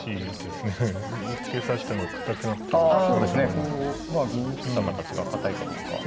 こうまあ銀打った形が堅いかどうかですかね。